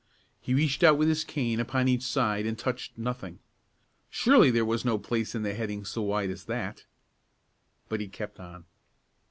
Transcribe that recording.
He reached out with his cane upon each side, and touched nothing. Surely, there was no place in the heading so wide as that. But he kept on.